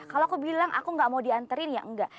kalau aku bilang aku gak mau diantarin ya enggak